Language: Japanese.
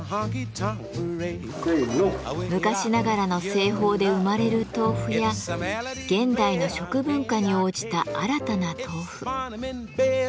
昔ながらの製法で生まれる豆腐や現代の食文化に応じた新たな豆腐。